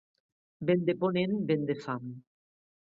Vent de ponent, vent de fam.